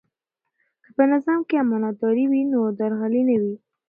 که په نظام کې امانتداري وي نو درغلي نه وي.